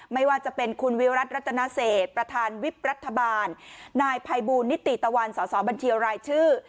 ไม่ว่าจะเป็นคุณวิรัติรัตนาเศษประธานวิบรัฐบาลนายภัยบูลนิติตะวันสอสอบัญชีรายชื่อ